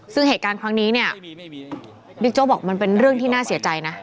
ซึ่งเหตุการณ์ครั้งนี้เนี่ยบิ๊กโจ๊กบอกมันเป็นเรื่องที่น่าเสียใจนะ